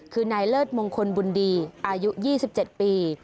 คือนายเลิศมงคลบุญดีอายุ๒๗ปี